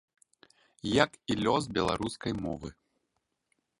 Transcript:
Як і лёс беларускай мовы.